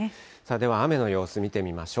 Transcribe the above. では雨の様子見てみましょう。